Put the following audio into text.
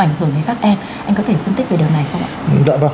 anh có thể phân tích về điều này không ạ